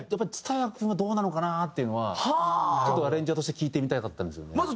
蔦谷君はどうなのかなっていうのはちょっとアレンジャーとして聞いてみたかったんですよね。